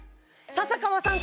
笹川さん